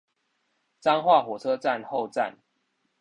彰化火車站後站